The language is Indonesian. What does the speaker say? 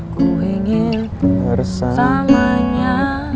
ku ingin bersamanya